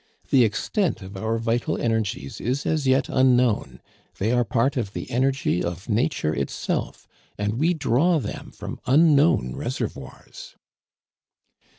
The extent of our vital energies is as yet unknown; they are part of the energy of nature itself, and we draw them from unknown reservoirs."